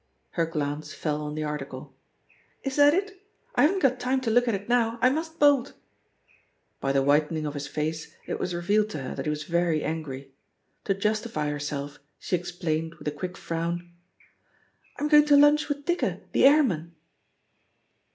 Her glance fell on the article. "Is that it? I haven't got time to look at it now — I must bolt." By the whitening of his face it was revealed to JTHE POSITION OFJPEGGY HARPER 891 her tHat lie was .very axxgryt To Justify herself « she explained^ with a guick frown: '*I'm going to lunch with Dicker, ffie airman."